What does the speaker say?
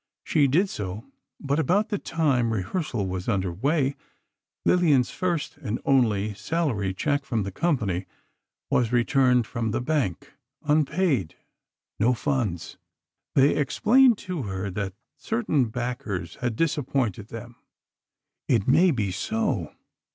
She did so, but about the time rehearsal was under way, Lillian's first (and only) salary cheque from the company was returned from the bank, unpaid—"No funds." They explained to her that certain backers had disappointed them. It may be so.